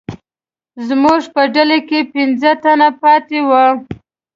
زموږ په ډله کې پنځه تنه پاتې وو.